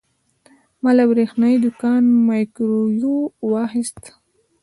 ما له برېښنايي دوکانه مایکروویو واخیست.